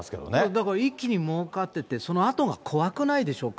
だから一気にもうかってて、そのあとが怖くないでしょうか。